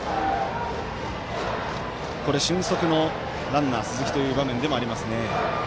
俊足のランナー、鈴木という場面でもありますよね。